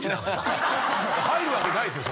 入るわけないですよ